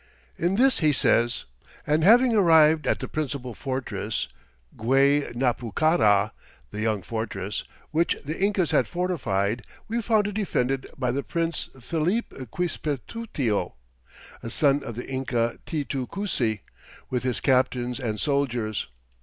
In this he says: "and having arrived at the principal fortress, Guay napucará ["the young fortress"], which the Incas had fortified, we found it defended by the Prince Philipe Quispetutio, a son of the Inca Titu Cusi, with his captains and soldiers.